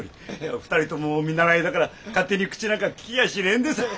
２人とも見習いだから勝手に口なんかきけやしねえんでさ。